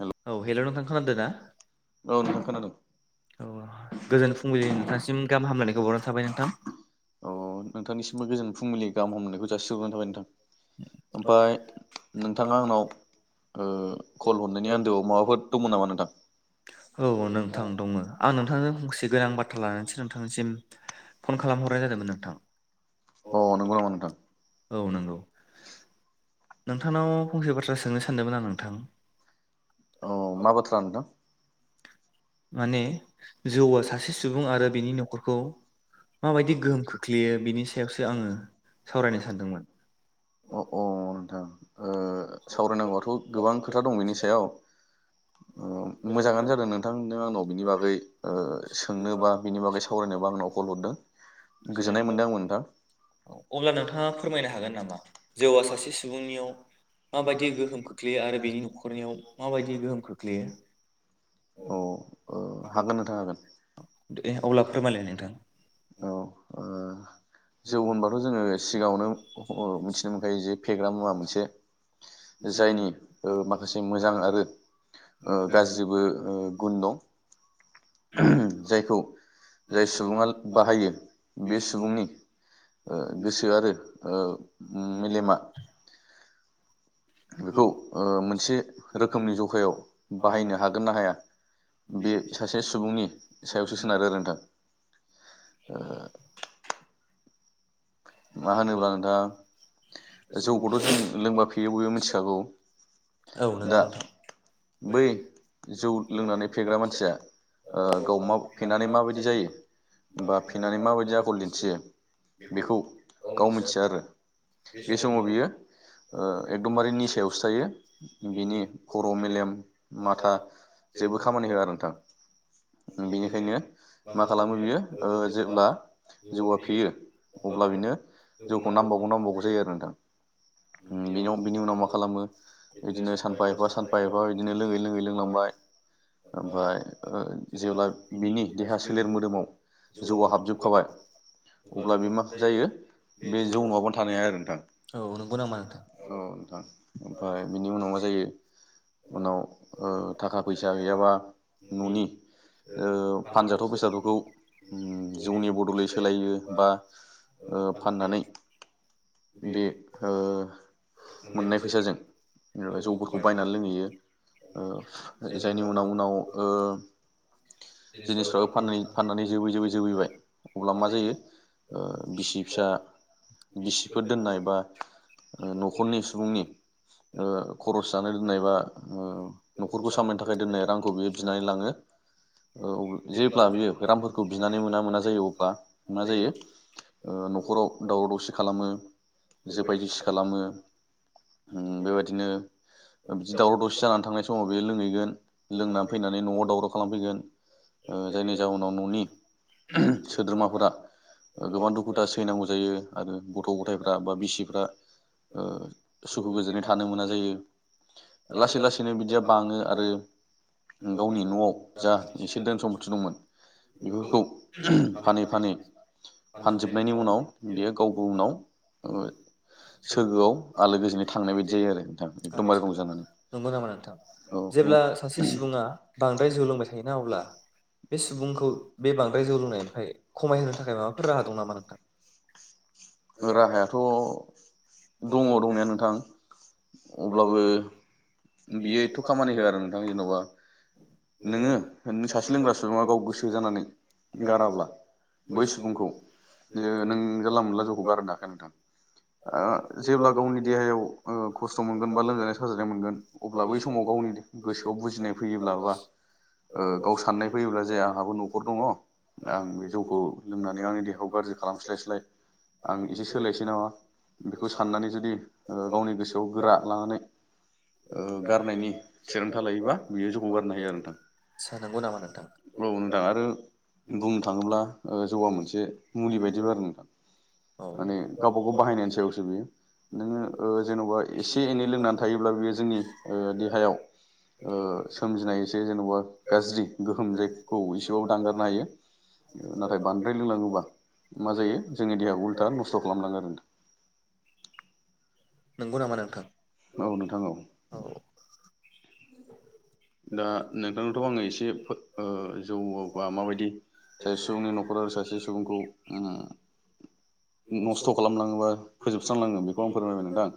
हेल' औ हेलव नोंथां खोनादों ना? औ गोजोन फुंबिलिनि नोंथांसिम गाहाम हामलायनायखौ बावहरनाय थाबाय नोंथां। अ नोंथांनिसिमबो गोजोन फुंबिलि गाहाम हामलायनायखौ जासिहरग्रोनाय थाबाय नोंथां। ओमफाय नोंथाङा आंनाव ओ कल हरनायनि आन्दोआव माबाफोर दंमोन नामा नोंथां? औ नोंथां दङो। आं नोंथांजों फंसे गोनां बाथ्रा लानानैसो नोंथांनिसिम फन खालामहरनाय जादोंमोन नोंथां। अ नंगौ नामा नोंथां? औ नंगौ। नोंथांनाव फंसे बाथ्रा सोंनो सानदोंमोन आं नोंथां। औ मा बाथ्रा नोंथां माने जौआ सासे सुबुं आरो बेनि न'खरखौ माबायदि गोहोम खोख्लैयो बिनि सायावसो आङो सावरायनो सानदोंमोन अ अ नोंथां ओ सावरायनांगौआथ' गोबां खोथा दं बेनि सायाव। ओ मोजाङानो जादों नोंथां नों बिनि बागै ओ सोंनो बा बिनि बागै सावरायनोबा आंनाव कल हरदों गोजोननाय मोनदों आंबो नोंथां अब्ला नोंथाङा फोरमायनो हागोन नामा जौआ सासे सुबुंनियाव माबायदि गोहोम खोख्लैयो आरो बेनि न'खरनियाव माबायदि गोहोम खोख्लैयो औ। अ हागोन नोंथां हागोन। दे अब्ला फोरमायलाय नोंथां। औ ओ जौ होनबाथ' जोङो सिगाङावनो अ मिथिनो मोनखायो जे फेग्रा मुवा मोनसे। जायनि ओ माखासे मोजां आरो ओ गाज्रिबो ओ गुन दं। जायखौ जाय सुबुङा बाहायो बे सुबुंनि ओ गोसो आरो ओ बेयो मा? मेलेमा बेखौ ओ मोनसे रोखोमनि जखायाव बाहायनो हागोन ना हाया बे सासे सुबुंनि सायावसो सोनारो नोंथां। ओ। मा होनोबा नोंथां जौखौथ' जों लोंबा फेयो बयबो मिथिखागौ। औ नोंगौ दा नोंथां। बै जौ लोंनानै फेग्रा मानसिया ओ गाव मा फेनानै माबायदि जायो बा फेन्नानै माबायदि आखल दिन्थियो बेखौ, गाव मिथिया आरो बे समाव बियो ओ एकदमबारे निसायावसो थायो बिनि खर' मेलेम माथा जेबो खामानि होआ आरो नोंथां। बेनिखायनो मा खालामो बियो ओ जेब्ला जौआ फेयो अब्ला बेनो जौखौ नांबावगौ नांबावगौ जायो आरोना नोंथां बेनाव बिनि उनाव मा खालामो बिदिनो सानफा एफा सानफा एफा बिदिनो लोङै लोङै लोंलांबाय ओमफाय ओ। जेब्ला बिनि देहा सोलेर मोदोमाव जौआ हाबजोबखाबाय अब्ला बे मा जायो बे जौ न'आबानो थानाय हाया आरो नोंथां औ नंगौ नामा नोंथां औ नोंथां ओमफ्राय बिनि उनाव मा जायो उनाव थाखा फैसा गैयाबा न'नि, ओ फानजाथाव बेसादफोरखौ जौनि बदलै सोलायो बा ओ फाननानै बे मोननाय बि ओ फैसाजों जौफोरखौ बायनानै लोंहैयो जायनि उनाव उनाव ओ जिनिसफ्राबो फान फाननानै जोबै जोबै जोबैबाय अब्ला मा जायो ओ बिसि फिसा बिसिफोर दोननाय बा न'खरनि सुबुंनि ओ खरस जानाय दोननाय बा न'खरखौ सामायनो थाखाय दोननाय रांखौ बियो बिनानै लाङो, जेब्ला बियो रांफोरखौ बिनानै मोना मोना जायो अब्ला मा जायो ओ न'खराव दावराव दावसि खालामो जोफाय जोसि खालामो ओम बेबायदिनो बिदि दावराव दावसि जानानै थांनाय समाव बे लोंहैगोन लोंनानै फैनानै न'आव दावराव, खालामफैगोन ओ जायनि जाहोनाव न'नि सोद्रोमाफोरा गोबां दुखु, बा सैनांगौ जायो आरो गथ' गथायफ्रा बा बिसिफ्रा ओ सुखु गोजोनै थानो मोना जायो लासै लासैनो बिदिया बाङो आरो गावनि न'आव जा एसे दोन सम्फथि दंमोन बेफोरखौ ओ फानै फानै फानजोब। होबनायनि उनाव बियो गावबो उनाव सोरगोआव आलो गोजोनै थांनाय बायदि जायो आरो नोंथां एकदमबार आदसा रंजानानै नंगौ नामा नोंथां औ जेब्ला सासे सुबुङा बांद्राय जौ लोंबाय थायोना अब्ला बे सुबुंखौ बे बांद्राय जौ लोंनायनायनि फ्राय खमायहोनो थाखाय माबाफोर राहा दं नामा? नोंथां राहायाथ' दङ दंनाया नोंथां अब्लाबो बियो एथ' खामानि होआ आरो नोंथां जेन'बा नोङो न सासे लोंग्रा सुबुङा गाव गोसो जानानै गाराब्ला बै सुबुंखौ बियो नों जानला मोनला जौखौ खारहोनो हाखाया नोंथां। जेब्ला गावनि देहायाव ओ खस्थ' मोनगोन बा लोमजानाय साजानाय मोनगोन अब्ला बै समाव गावनि गोसोआव बुजिनाय फैयोब्ला बा गाव साननाय फैयोब्ला जाया आंहाबो न'खर दङ आं बे जौखौ लोंनानै आंनि देहायाव गाज्रि, खालामस्लाय स्लाय आं एसे सोलायनोसै नामा बे बेखौ साननानै जुदि गावनि गोसोआव गोरा लानानै ओ गारनायनि थिरांथा लायोबा बियो जौखौ गारनो हायो आरो आदसा नंगौ नामा नोंथां नोंथां औ नोंथां आरो बुंनो थाङोब्ला जौआ मोनसे मुलि बायदिबो आरो नोंथां औ माने गावबा गाव बाहायनायनि सायावसो नोङो ओ जेन'बा एसे एनै लोंनानै थायोब्ला बियो जोंनि ओ देहायाव सोमजिनाय एसे जेन'बा गाज्रि गोहोम जायखौ एसेबाबो दांगारनो हायो नाथाय बांद्राय लोंलाङोबा मा जायो जोंनि देहाखौ उल्था नस्थ' खालामलाङो आरो नों नगौ नामा नोंथां? औ नोंथां औ। दा नोंथांनावथ आङो एसे ओ जौवा बा माबायदि सासे सुबुंनि नखर आरो सासे सुबुंखौ ओम नस्थ' खालामलाङोबा फोजोबस्रांलाङो बेखौ आं फोरमायबाय नोंथां।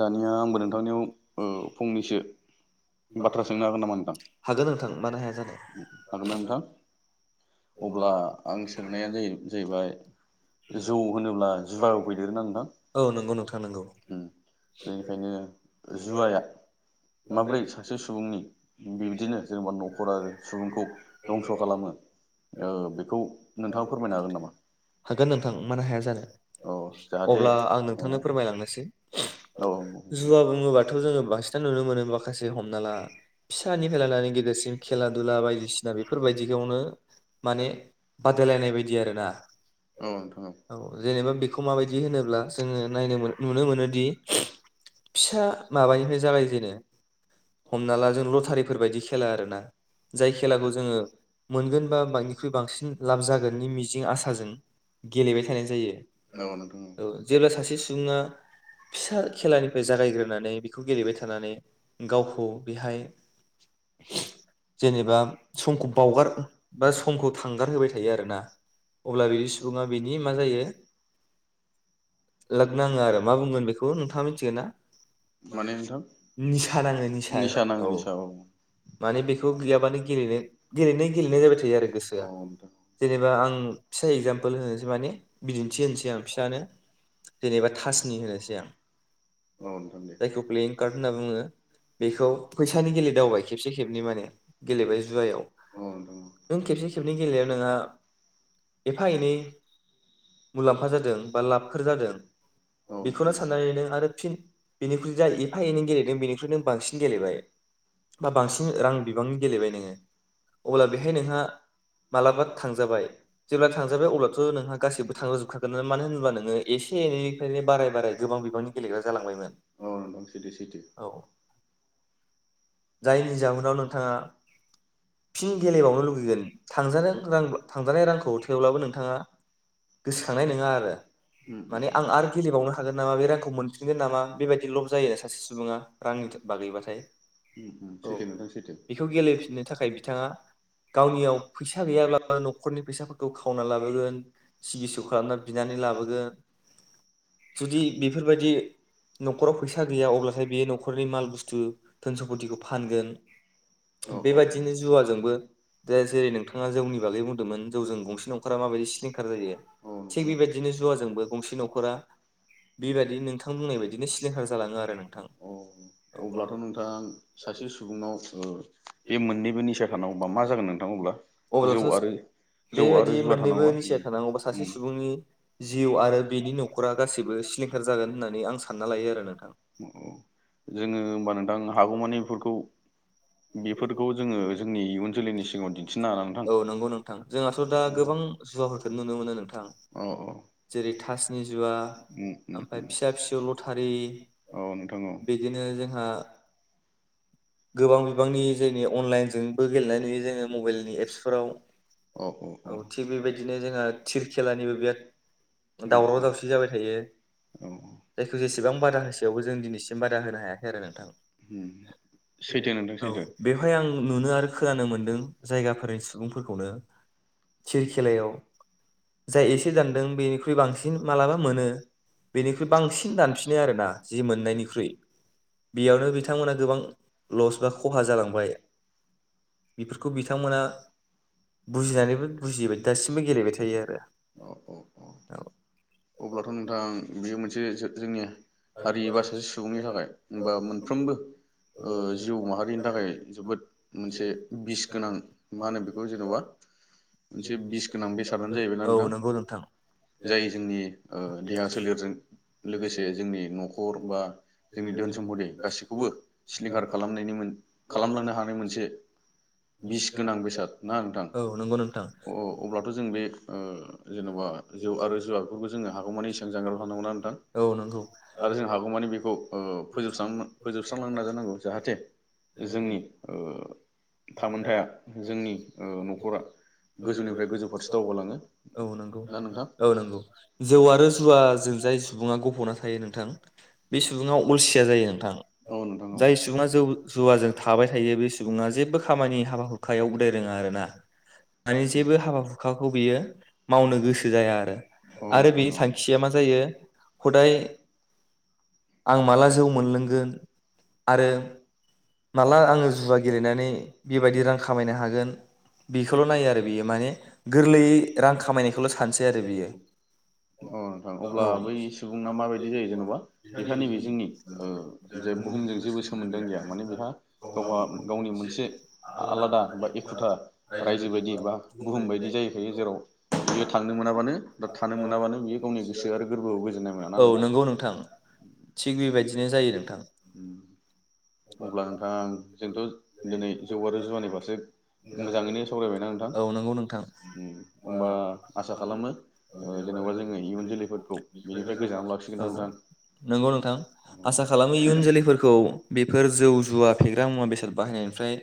दानिया आंबो नोंथांनियाव ओ फंनैसो बाथ बाथ्रा सोंनो हागोन नामा नोंथां हागोन नोंथां मानो हाया जानो हागोन ना नोंथां अब्ला आं सोंनाया ज जाहैबाय जौ होनोब्ला जुवायाव फैदेरोना नोंथां औ नंगौ नोंथां नंगौ ओम बेनिखायनो जुवाया माब्रै सासे सुबुंनि बिबदिनो जेनेबा न'खर आरो सुबुंखौ धंस' खालामो ओ बेखौ नोंथाङा फोरमायनो हागोन नामा? हागोन नोंथां मानो हाया जानो औ जाहाथे अब्ला आं औ नोंथांनो फोरमायलांनोसै औ नोंथां औ जुवा बुङोबाथ' जोङो बांसिनानो नुनो मोनो माखासे हम फिसानिफ्राइ लानानै गेदेरसिम खेला दुला बायदिसिना बेफोरबायदियावनो माने बादायलायनाय बायदि आरो ना औ जेनेबा बेखौ माबायदि होनोब्ला जोङो नायनो मोनो नुनो मोनोदि फिसा माबानिफ्राय जागाय जेनो हमना ला जों लटारिफोर बायदि खेला आरो ना जाय खेलाखौ जोङो मोनगोन बा बयनिख्रुइ बांसिन लाब जागोननि मिजिं आसाजों गेलेबाय थानाय जायो औ नोंथां औ जेब्ला सासे सुबुङा फिसा खेलानिफ्राय जागायग्रोनानै बेखौ गेलेबाय थानानै गावखौ बेहाय जेनेबा समखौ बावगार बा समखौ थांगार होबाय थायो आरोना अब्ला बिदि सुबुङा बेनि मा जायो लाग नाङो आरो मा बुंगोन बेखौ नोंथाङा मिथिगोन ना? माने नोंथां निसा नाङो निसा औ नाङो निसा औ माने बेखौ गैयाबानो गेलेनो गेलेनो जाबाय थायो आरो गोसोआ नोंथां जेनेबा आं फिसा एक्जाम [unintelligible] माने बिदिन्थि होनोसै आं फिसानो जेनेबा थासनि होनोसै आं औ नोंथां दे जायखौ प्लेइिं कार्ड होनना बुङो बेखौ फैसानि गेलेदावबाय खेबसे खेबनै माने गेलेबाय जुवायाव औ नोंथां नों खेबसे खेबनै गेलेनायाव नोंहा फा एनै मुलाम्फा जादों बा लाबफोर जादों। औ औ बेखौनो साननानै नोंथां नों आरो फिन बेनिख्रुइ जा एफा एनै गेलेदों बेनिख्रुइ नों बांसिन गेलेबाय बा बांसिन रां बिबांनि गेलेबाय नोङो अब्ला बेहाय नोंहा मालाबा थांजाबाय जेब्ला थांजाबाय अब्लाथ' नोंहा गासिबो थांजोबखागोन मानो होनोबा नोङो एसे निफ्रायनो बाराय बाराय गोबां बिबांनि गेलेग्रा जालांबायमोन औ नोंथां सैथो सैथो औ जायनि जाउनाव नोंथाङा फिन गेलेबावनो लुगैगोन थांजादों रांबा थांजानाय रांखौ थेवब्लाबो नोंथाङा गोसोखांनाय नोङा आरो माने आं आरो गेलेबावनो हागोन नामा बे रांखौ मोनफिनगोन नामा बेबायदि लब जायोना सासे सुबुङा रांनि था बागैबाथाय औ सैथो नोंथां सैथो बिखौ गेलेफिननो थाखाय बिथाङा गावनियाव फैसा गैयाब्ला न'खरनि फैसाफोर खावना लाबोगोन सिगि सग खालामना बिनानै लाबोगोन जुदि बेफोरबादि नखराव फैसा गैया अब्लाथाय बियो नखरनि माल बस्तु गुदिखौ फानगोन औ बेबायदिनो जुवाजोंबो दा जेरै नोंथाङा जौनि बागै बुंदोंमोन जौजों गं से नखरा माबायदि सिलिंखार जायो औ थिग नोंथां बेबायदिनो जुवाजोंबो गंसे नखरा बेबायदि नोंथां बुंनाय बायदिनो सिलिंखार जालाङो आरो नोंथां औ। ओं सासे सुबुंनाव ओ बे मोननैबो निसा खानांगौबा मा जागोन नोंथां अब्ला? जौ अब्लाथ आरो जौ आरो बेबायदि जुवा मोननैबो थानांगौबा निसिया थानांगौबा सासे सुबुंनि जिउ आरो बेनि नखरा गासैबो सिलिंखार जागोन होननानै आं सानना लायो आरो नोंथां। जोङो होमबा नोंथां हागौमानि बेफोरखौ बेफोरखौ जोङो जोंनि इयुन जोलैनि सिगाङाव दिन्थिनो हाना नोंथां औ नंगौ नोंथां जोंहाथ' दा गोबां जुवाफोरखौ नुनो मोनो नोंथां औ औ जेरै थासनि जुवा उम उम ओमफाय उम फिसा फिसौ लथारि औ नोंथां औ बिदिनो जोंहा गोबां नि जोंनि अनलाइनजोंबो गेलेनाय नुयो जोङो मबाइलनि एप्सफोराव औ थिग बेबायदिनो जोंहा थिर खेलानिबो बिराद औ दावराव दावसि जाबाय थायो औ जायखौ जेसेबां बादा होसेयावबो जों दिनैसिम बादा होनो हायाखै आरो नोंथां। उम सैथो नोंथां औ सैथो बेवहाय आं नुनो आरो खोनानो मोनदों जायगाफोरनि सुबुंफोरखौनो थिरखेलायाव जाय एसे दानदों बेनिख्रुइ बांसिन मालाबा मोनो बेनिख्रुइ बांसिन दानफिनो आरोना जि मोननायनिख्रुइ बेयावनो बिथांमोना गोबां लस बा खहा जालांबाय। [inaudible] बेफोरखौ बिथांमोना बुजिनानैबो बुजियैबादि दासिमबो गेलेबाय थायो औ औ औ आरो। अब्लाथ' नोंथां बेयो मोनसे जोंनि हारि बा सासे सुबुंनि थाखाय होनबा मोनफ्रोमबो ओ जिउ माहारिनि थाखाय जोबोद मोनसे बिस गोनां मा होनो बेखौ जेनबा मोनसे बिस गोनां बेसादानो जाहैबाय ना औ नोंथां नंगौ नोंथां जाय जोंनि देहा सोलेरजों लोगोसे जों जोंनि न'खर बा जोंनि धोन सम्फदि गासैखौबो सिलिंखार खालामनायनि मोन खालामलांनो हानाय मोनसे बिस गोनां बेसाद ना नोंथां औ नंगौ नोंथां अ-अब्लाथ जों बे ओ जेनबा जौ आरो जुवाफोरखौ जोङो हागौमानि इसेबां जानगारायाव थांनांगौ ना नोंथां औ नंगौ आरो जों हागौमानि बेखौ फोजोबस्रां फोजोबस्रांलांनो नाजागोन नंगौ जाहाथे जोंनि ओ थामोनथाया [unintelligible] जोंनि ओ न'खरा गोजौनिफ्राय गोजौ फारसे दावगालाङो औ नंगौ ना नोंथां औ नंगौ जौ आरो जुवाजों जाय सुबुङा गफ'ना थायो नोंथां बे सुबुङा अलसिया जायो नोंथां औ नोंथां औ जाय जौ जुवाजों थाबाय थायो बे सुबुङा जेबो खामानि हाबा हुखायाव उदाय रोङा आरोना मानि जेबो हाबा हुखाखौ बियो मावनो गोसो जाया आरो औ आरो बे नोंथां थांखिया मा जायो औ हदाय आं माला जौ मोनलोंगोन माला आङो जुवा गेलेनानै अ बेबायदि रां खामायनो हागोन बेखौल' नायो आरो बियो माने गोरलैयै रां खामायनायखौल' सानसै आरो बियो नोंथां अब्ला औ बै सुबुङा माबायदि जायो जेनेबा बेहा नैबे जोंनि ओ बुहुमजों जेबो मोनदो गैया माने बेहा गावहा गावनि मोनसे आलादा बा एखुथा रायजो बायदि बा बुहुम बायदि जाहैखायो जेराव बियो थांनो मोनाबानो दा थानो मोनाबानो बियो गावनि गोसो आरो गोरबोआव गोजोननाय मोना ना औ नोंथां? नंगौ थिग बेबायदिनो जायो नोंथां अब्ला नोंथां जोंथ दिनै जौ आरो जुवानि फारसे मोजाङैनो सावरायबायना‌ नोंथां औ नंगौ नोंथां होमबा आसा खालामनो जेनेबा जोङो इयुन जोलैफोरखौ बिनिफ्राय गोजानाव लाखिगोन ना औ नोंथां? नंगौ नोंथां आसा खालामो इयुन जोलैफोरखौ बेफोर जौ जुवा फेग्रा मुवा बेसाद बाहायनायनिफ्राय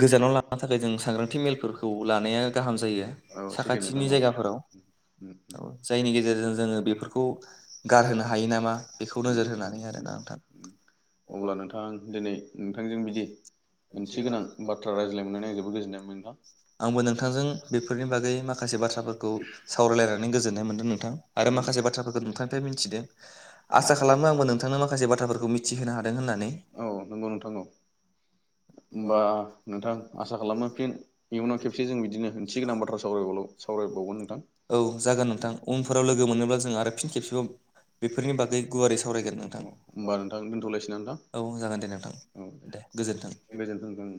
गोजानाव लानो थाखाय जों सांग्रांथि मेलफोरखौ लानाया गाहाम जायो औ सैथो नोंथां साखाथिनि औ जायगाफोराव जायनि गेजेरजों जोङो बेफोरखौ गारहोनो हायो नामा बेखौ नोजोर होनानै आरोना नोंथां अब्ला नोंथां दिनै नोंथांजों बिदि ओंथिगोनां [inaudible] आंबो नोंथांजों बेफोरनि बागै माखासे बाथ्रा खौ सावरायलायनानै गोजोननाय मोनदों नोंथां आरो माखासे बाथ्राफोरखौ नोंथांनिफ्राय मिथिदों आसा नोंथां खालामो आंबो नोंथांनो माखासे बाथ्राफोरखौ मिथिहोनो हादों होननानै औ नंगौ नोंथां औ [inaudible] होमबा नोंथां आसा खालामो फिन इयुनाव खेबसे जों बिदिनो ओंथि गोनां बाथ्रा सावरायबावो सावरायबावगोन नोंथां औ जागोन नोंथां उनफोराव लोगो मोनोब्ला जों आरो फिन खेबसेबाव बेफोरनि बागै गुवारै सावरायगोन अ नोंथां होमबा नोंथां दोनथ'लायसै ना नोंथां औ जागोन दे नोंथां दे गोजोन्थों। गोजोनथों